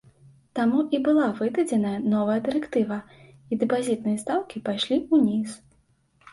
Таму і была выдадзеная новая дырэктыва, і дэпазітныя стаўкі пайшлі ўніз.